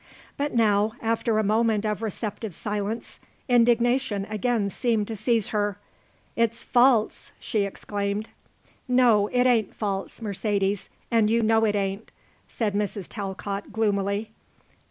But now, after a moment of receptive silence, indignation again seemed to seize her. "It's false!" she exclaimed. "No it ain't false, Mercedes, and you know it ain't," said Mrs. Talcott gloomily.